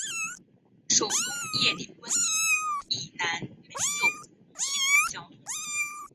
首都叶里温以南没有铁路交通。